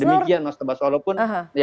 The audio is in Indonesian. demikian mas temba soalopun